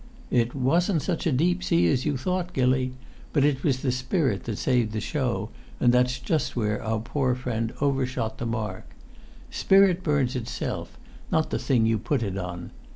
"It wasn't such a deep sea as you thought, Gilly. But it was the spirit that saved the show, and that's just where our poor friend overshot the mark. Spirit burns itself, not the thing you put it on.